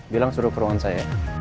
bilang suruh peruan saya